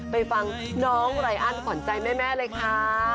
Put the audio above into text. ไปฟังน้องไรอันขวัญใจแม่เลยค่ะ